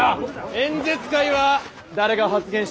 演説会は誰が発言してもえい。